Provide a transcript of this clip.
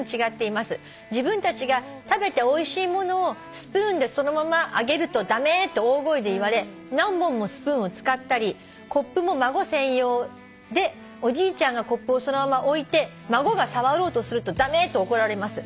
「自分たちが食べておいしいものをスプーンでそのままあげると『駄目！』と大声で言われ何本もスプーンを使ったりコップも孫専用でおじいちゃんがコップをそのまま置いて孫が触ろうとすると『駄目！』と怒られます」